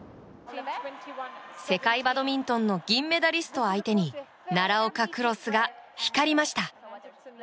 世界バドミントンの銀メダリストを相手に奈良岡クロスが光りました。